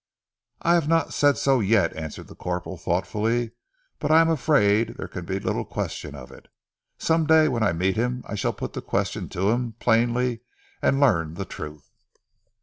"I have not said so yet," answered the corporal thoughtfully, "but I am afraid that there can be little question of it. Some day when I meet him I shall put the question to him plainly, and learn the truth."